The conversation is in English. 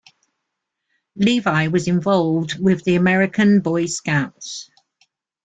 Levy was involved with the American Boy Scouts.